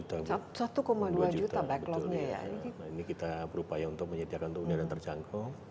nah ini kita berupaya untuk menyediakan kehunian yang terjangkau